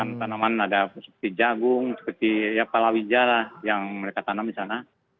tanaman ada seperti jagung seperti palawija lah yang mereka tanam di sana